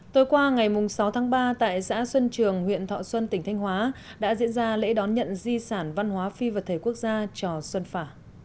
tối qua ngày sáu tháng ba tại xã xuân trường huyện thọ xuân tỉnh thanh hóa đã diễn ra lễ đón nhận di sản văn hóa phi vật thể quốc gia chùa xuân phả